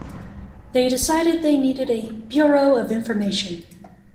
They decided they needed a "bureau of information".